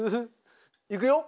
いくよ。